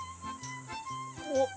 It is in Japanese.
おっ！